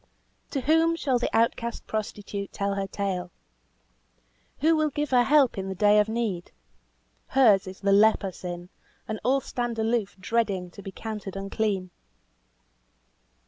To whom shall the outcast prostitute tell her tale? Who will give her help in her day of need? Hers is the leper sin, and all stand aloof dreading to be counted unclean.